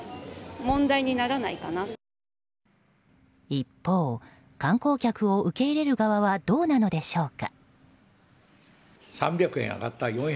一方、観光客を受け入れる側はどうなのでしょうか。